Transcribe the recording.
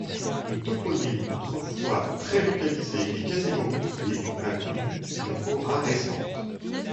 Le toponyme, autrefois très localisé et quasiment oublié, a connu une aura récente.